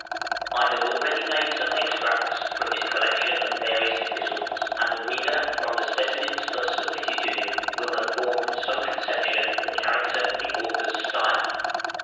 I have already made some extracts from this collection of "Various Epistles" and the reader, from the specimens thus submitted to him, will have formed some conception of the character of the author's style.